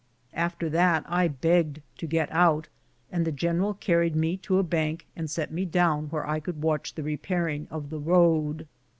After that I begged to get out, and the general carried me to a bank and set me down where I could watch the repair ing of the road.